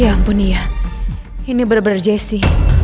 ya ampun iya ini bener bener jessy